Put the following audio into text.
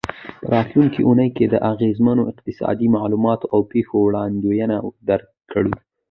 او په راتلونکې اونۍ کې د اغیزمنو اقتصادي معلوماتو او پیښو وړاندوینه درکړو.